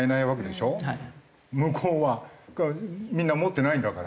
向こうはみんな持ってないんだから。